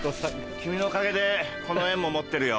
君のおかげでこの園も持ってるよ。